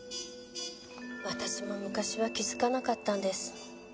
私も昔は気づかなかったんです。